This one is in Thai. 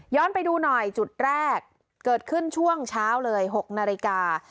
ไปดูหน่อยจุดแรกเกิดขึ้นช่วงเช้าเลย๖นาฬิกา